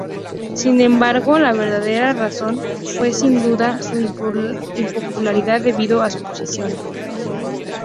Sin embargo, la verdadera razón fue sin duda su impopularidad debido a su posición.